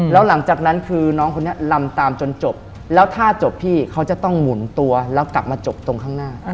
แล้วหลังจากนั้นคือน้องคนนี้ลำตามจนจบแล้วถ้าจบพี่เขาจะต้องหมุนตัวแล้วกลับมาจบตรงข้างหน้า